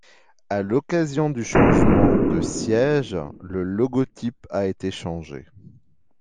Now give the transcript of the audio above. À l'occasion du changement de siège, le logotype a été changé.